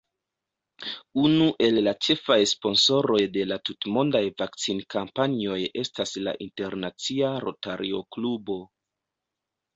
Unu el la ĉefaj sponsoroj de la tutmondaj vakcinkampanjoj estas la internacia Rotario-klubo.